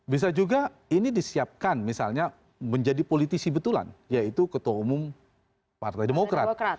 bisa juga ini disiapkan misalnya menjadi politisi betulan yaitu ketua umum partai demokrat